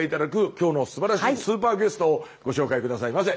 今日のすばらしいスーパーゲストをご紹介下さいませ。